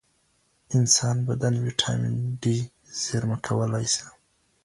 انسان بدن ویټامن ډي زېرمه کولای شي.